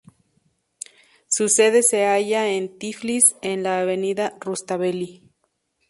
Su sede se halla en Tiflis en la avenida Rustaveli.